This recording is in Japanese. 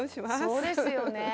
そうですよねえ。